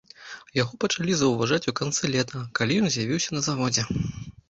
Яго пачалі заўважаць у канцы лета, калі ён з'явіўся на заводзе.